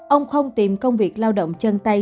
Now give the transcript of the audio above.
ông không tìm công việc lao động chân tay